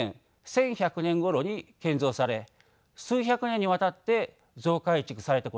１１００年ごろに建造され数百年にわたって増改築されたことが分かったのです。